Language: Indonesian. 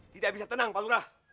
tidak bisa tenang pak lurah